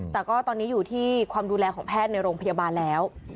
แต่ก็ตอนนี้อยู่ที่ความดูแลของแพทย์ในโรงพยาบาลแล้ว